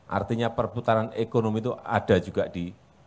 artinya perputaran ekonomi itu ada juga di